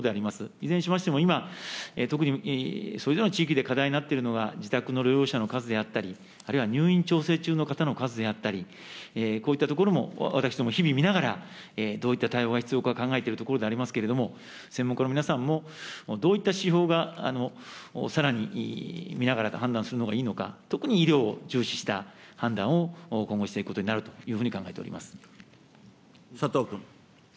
いずれにしましても今、特にそれぞれの地域で課題になっているのが、自宅の療養者の数であったり、あるいは、入院調整中の方の数であったり、こういったところも私ども、日々見ながら、どういった対応が必要かを考えているところでありますけれども、専門家の皆さんも、どういった指標が、さらに見ながら判断するのがいいのか、特に医療を重視した判断を今後していくことになるというふうに考佐藤君。